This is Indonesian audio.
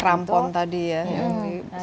krampon tadi ya yang di sepatu es